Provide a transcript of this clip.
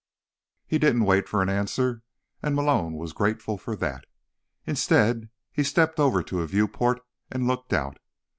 He didn't wait for an answer, and Malone was grateful for that. Instead, he stepped over to a viewport and looked out.